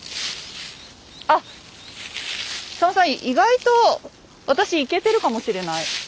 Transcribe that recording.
意外と私いけてるかもしれない。